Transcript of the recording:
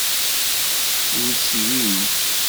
Ur slin.